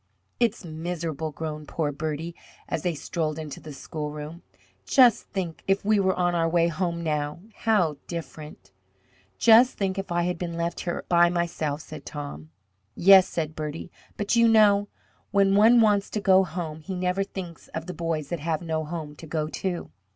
"It's miserable," groaned poor Bertie, as they strolled into the schoolroom. "Just think if we were on our way home now how different." "Just think if I had been left here by myself," said Tom. "Yes," said Bertie, "but you know when one wants to go home he never thinks of the boys that have no home to go to."